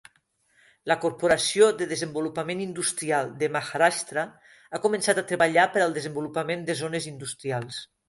La Corporació de Desenvolupament Industrial de Maharashtra ha començat a treballar per al desenvolupament de zones industrials.